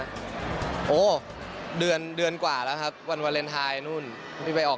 ก็เหมือนแค่เป็นนะขอ